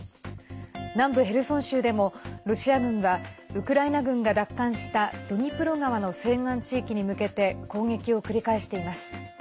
南部ヘルソン州でもロシア軍はウクライナ軍が奪還したドニプロ川の西岸地域に向けて攻撃を繰り返しています。